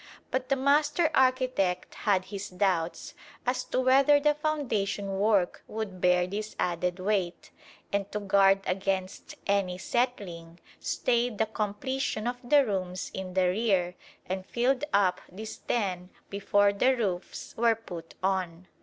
But the master architect had his doubts as to whether the foundation work would bear this added weight, and to guard against any "settling" stayed the completion of the rooms in the rear and filled up these ten before the roofs were put on.